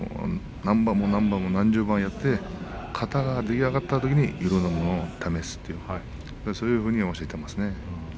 何番も何番も何十番もやって型が出来上がったときにいろいろなものを試すそういうふうに教えています。